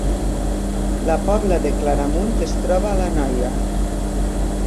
La Pobla de Claramunt es troba a l’Anoia